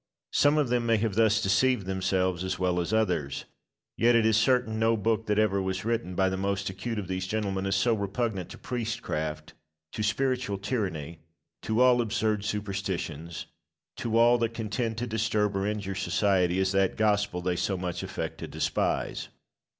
Some of them may have thus deceived themselves as well as others. Yet it is certain no book that ever was written by the most acute of these gentlemen is so repugnant to priestcraft, to spiritual tyranny, to all absurd superstitions, to all that can tend to disturb or injure society, as that Gospel they so much affect to despise.